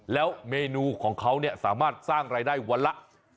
แล้วเมนูของเขาเนี่ยสามารถสร้างรายได้วันละ